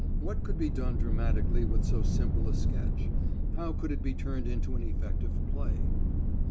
What could be done dramatically with so simple a sketch? How could it he turned into an effective play?